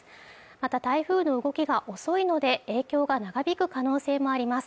また台風の動きが遅いので影響が長引く可能性もあります